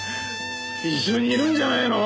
一緒にいるんじゃないの？